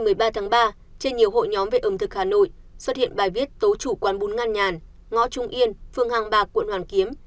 ngày một mươi ba tháng ba trên nhiều hội nhóm về ẩm thực hà nội xuất hiện bài viết tố chủ quán bún ngăn nhàn ngõ trung yên phường hàng bạc quận hoàn kiếm